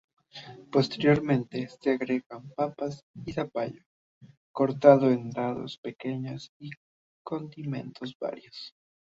Posteriormente, se agregan papas y zapallo cortado en dados pequeños y condimentos varios.